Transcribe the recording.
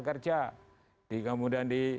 kerja kemudian di